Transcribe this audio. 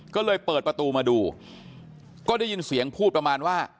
ก็เลยเปิดประตูมาดูก็ได้ยินเสียงพูดประมาณว่า